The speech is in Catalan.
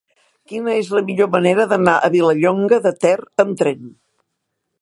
Quina és la millor manera d'anar a Vilallonga de Ter amb tren?